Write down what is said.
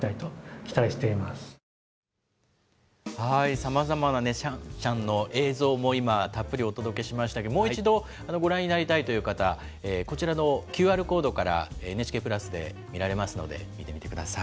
さまざまなシャンシャンの映像も今、たっぷりお届けしましたけれども、もう一度、ご覧になりたいという方、こちらのＱＲコードから、ＮＨＫプラスで見られますので、見てみてください。